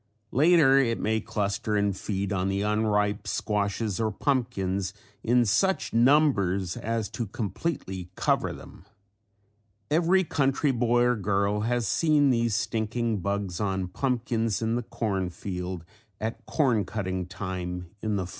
Later it may cluster and feed on the unripe squashes or pumpkins in such numbers as to completely cover them. Every country boy or girl has seen these stinking bugs on pumpkins in the corn field, at corn cutting time in the fall.